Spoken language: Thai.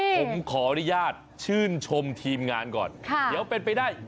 ผมขออนุญาตชื่นชมทีมงานก่อนเดี๋ยวเป็นไปได้